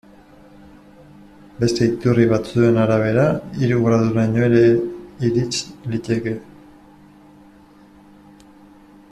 Beste iturri batzuen arabera, hiru graduraino ere irits liteke.